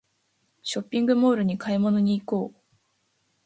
ショッピングモールに買い物に行こう